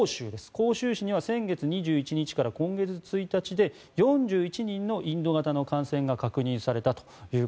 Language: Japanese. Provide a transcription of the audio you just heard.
広州市には先月２１日から今月１日で４１人のインド型の感染が確認されたと。